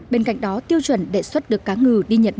bên cạnh đó tiêu chuẩn đề xuất được cá ngừ